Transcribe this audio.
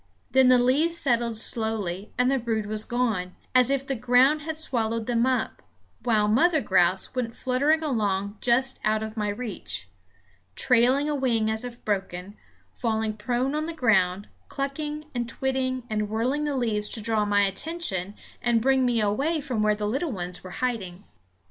Then the leaves settled slowly and the brood was gone, as if the ground had swallowed them up; while Mother Grouse went fluttering along just out of my reach, trailing a wing as if broken, falling prone on the ground, clucking and kwitting and whirling the leaves to draw my attention and bring me away from where the little ones were hiding.